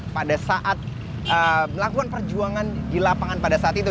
pada saat melakukan perjuangan di lapangan pada saat itu